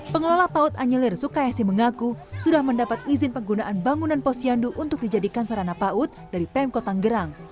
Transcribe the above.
pengelola paut anyelir sukayesi mengaku sudah mendapat izin penggunaan bangunan posyandu untuk dijadikan sarana paut dari pmkotanggerang